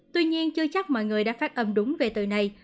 tuy nhiên chưa chắc mọi người đã phát âm đúng về từ này